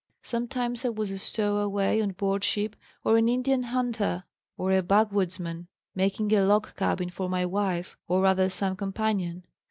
Sometimes I was a stowaway on board ship or an Indian hunter or a backwoodsman making a log cabin for my wife or rather some companion.